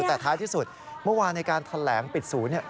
แต่ท้ายที่สุดเมื่อวานในการแถลงปิดศูนย์เนี่ย